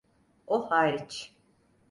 O hariç.